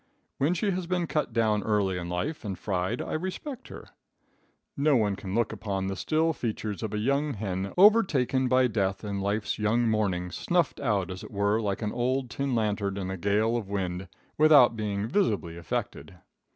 When she has been cut down early in life and fried I respect her. No one can look upon the still features of a young hen overtaken by death in life's young morning, snuffed out as it were, like an old tin lantern in a gale of wind, without being visibly affected.